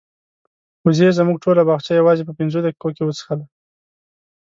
وزې زموږ ټوله باغچه یوازې په پنځو دقیقو کې وڅښله.